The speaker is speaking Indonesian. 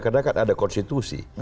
karena kan ada konstitusi